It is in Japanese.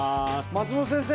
松本先生。